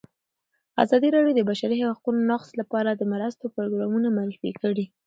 ازادي راډیو د د بشري حقونو نقض لپاره د مرستو پروګرامونه معرفي کړي.